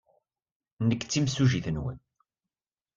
Nekk d timsujjit-nwen.